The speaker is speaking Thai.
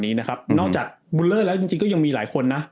นี้นะครับอืมนอกจากแล้วจริงจริงจริงก็ยังมีหลายคนน่ะ